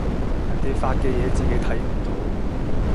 人哋發嘅嘢自己睇唔到